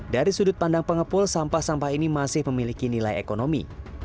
dari sudut pandang pengepul sampah sampah ini masih memiliki nilai ekonomi